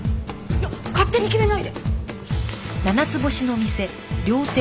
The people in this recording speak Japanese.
いや勝手に決めないで！